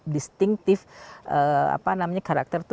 distingitif karakter itu